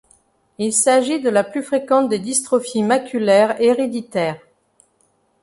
Il s'agit de la plus fréquente des dystrophies maculaires héréditaires.